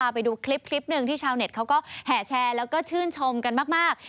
ไปดูคลิปหนึ่งที่ชาวเน็ตเขาก็แห่แชร์แล้วก็ชื่นชมกันมาก